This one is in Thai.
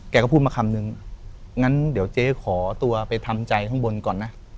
ก็พูดมาคำนึงงั้นเดี๋ยวเจ๊ขอตัวไปทำใจข้างบนก่อนนะ